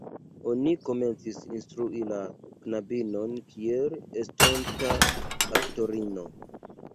Oni komencis instrui la knabinon kiel estonta aktorino.